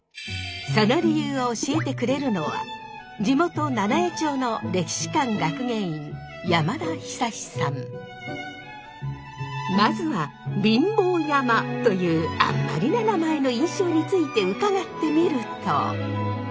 その理由を教えてくれるのはまずは貧乏山というあんまりな名前の印象について伺ってみると。